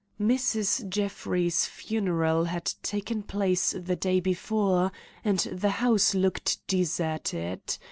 Mrs. Jeffrey's funeral had taken place the day before and the house looked deserted.